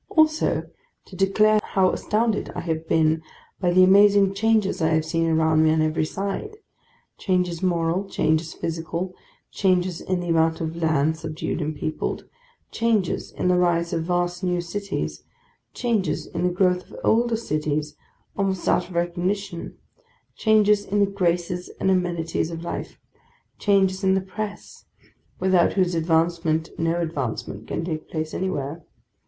Also, to declare how astounded I have been by the amazing changes I have seen around me on every side,—changes moral, changes physical, changes in the amount of land subdued and peopled, changes in the rise of vast new cities, changes in the growth of older cities almost out of recognition, changes in the graces and amenities of life, changes in the Press, without whose advancement no advancement can take place anywhere.